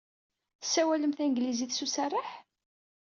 Tessawalem tanglizit s userreḥ.